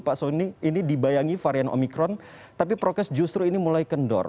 pak soni ini dibayangi varian omikron tapi prokes justru ini mulai kendor